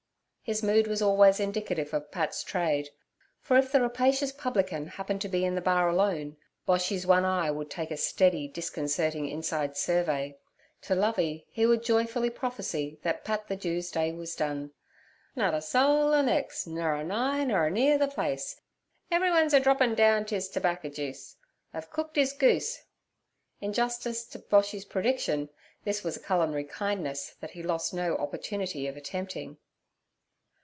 His mood was always indicative of Pat's trade, for if the rapacious publican happened to be in the bar alone, Boshy's one eye would take a steady, disconcerting inside survey. To Lovey he would joyfully prophesy that Pat the Jew's day was done. 'Nut a soul a nex', nur a nigh, nur a near the place; everyone's a droppin' down t' 'is terbaccer juice. I've cooked 'is goose.' In justice to Boshy's prediction, this was a culinary kindness that he lost no opportunity of attempting.